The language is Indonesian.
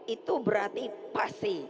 itu berarti pasti